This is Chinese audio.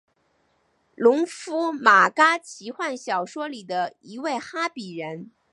农夫马嘎奇幻小说里的一位哈比人。